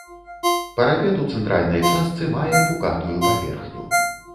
Парапет у цэнтральнай частцы мае пукатую паверхню.